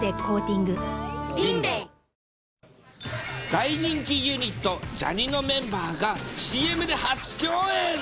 大人気ユニット、ジャにのメンバーが、ＣＭで初共演。